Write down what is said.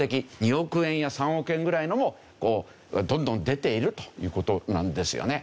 ２億円や３億円ぐらいのもどんどん出ているという事なんですよね。